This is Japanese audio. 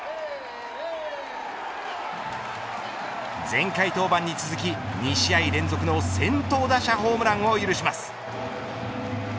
前回登板に続き２試合連続の先頭打者ホームランを許します。